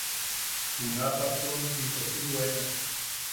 Juna patron into si juʼena.